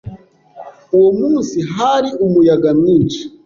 Uwo munsi hari umuyaga mwinshi.